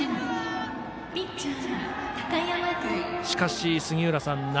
しかし、杉浦さん